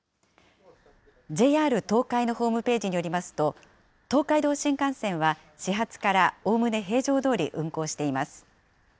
ＪＲ東海のホームページによりますと、東海道新幹線は始発からおおむね平常どおり運行しています。